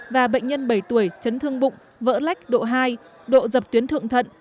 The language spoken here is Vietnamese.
và bệnh nhân bảy tuổi chấn thương bụng vỡ lách độ hai độ dập tuyến thượng thận